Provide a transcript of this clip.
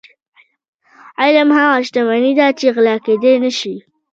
علم هغه شتمني ده چې غلا کیدی نشي.